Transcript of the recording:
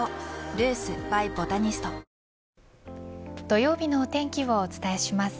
土曜日のお天気をお伝えします。